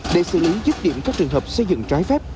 để xử lý dứt điểm các trường hợp xây dựng trái phép